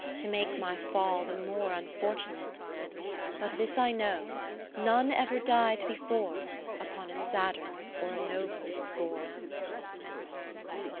To make my fall the more unfortunate. lo But this I know, none ever died before Upon a sadder or a nobler score.